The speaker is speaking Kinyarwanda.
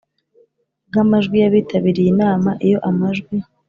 bw amajwi y abitabiriye inama Iyo amajwi